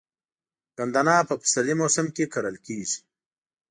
ګندنه په پسرلي موسم کې کرل کیږي.